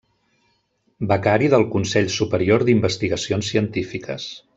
Becari del Consell Superior d'Investigacions Científiques.